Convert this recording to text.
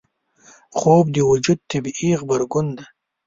خوب د وجود طبیعي غبرګون دی